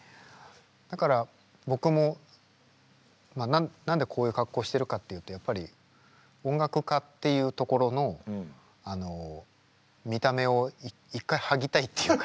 だから僕もまあ何でこういう格好してるかっていうとやっぱり音楽家っていうところの見た目を一回剥ぎたいっていうか。